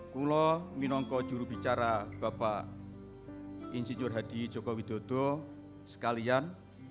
kulo minongko jurubicara bapak insinyur hadi joko widodo sekalian